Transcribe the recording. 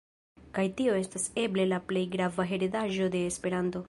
Kaj tio estas eble la plej grava heredaĵo de Esperanto.